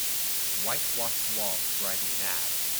White washed walls drive me mad.